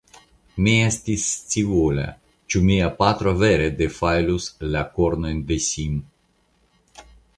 Mi estis scivola, ĉu mia patro vere defajlus la kornojn de Sim.